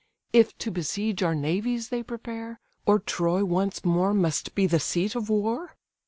If to besiege our navies they prepare, Or Troy once more must be the seat of war?